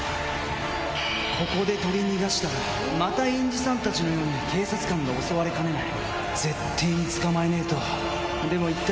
ここで取り逃がしたら、またインジさんたちのように警察官が襲われかねない。